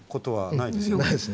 ないですね。